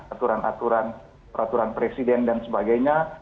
aturan aturan peraturan presiden dan sebagainya